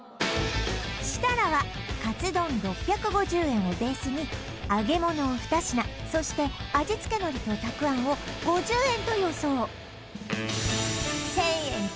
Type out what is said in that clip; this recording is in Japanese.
設楽はカツ丼６５０円をベースに揚げ物を２品そして味付け海苔とたくあんを５０円と予想